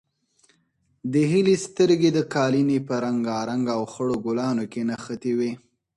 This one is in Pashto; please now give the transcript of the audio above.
د هیلې سترګې د قالینې په رنګارنګ او خړو ګلانو کې نښتې وې.